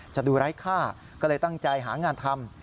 จะดูไร้ค่าก็เลยตั้งใจหางานทำ